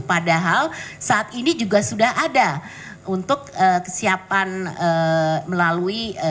padahal saat ini juga sudah ada untuk kesiapan melalui